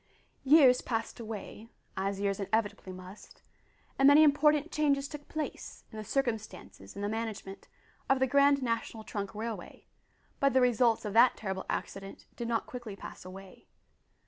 Years passed away as years inevitably must and many important changes took place in the circumstances and the management of the Grand National Trunk Railway, but the results of that terrible accident did not quickly pass away.